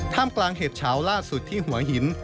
กลางเหตุเฉาล่าสุดที่หัวหิน